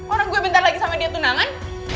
orang gue bentar lagi sama dia tunangan